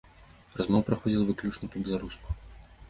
Размова праходзіла выключна па-беларуску.